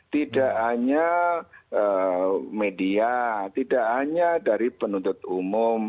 tidak hanya media tidak hanya dari penuntut umum